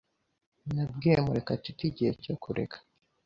Nabwiye Murekatete igihe cyo kureka.